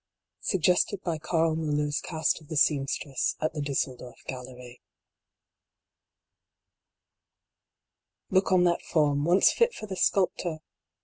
Suggested by Carl Miiller s Cast of the Seamstress, at the Dusseldort Gallery. T OOK on that form, once fit for the sculptor